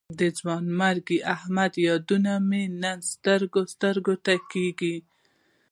د ځوانمرګ احمد یادونه مې نن سترګو سترګو ته کېږي.